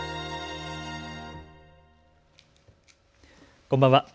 こんばんは。